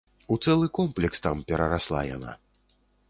У цэлы комплекс тэм перарасла яна.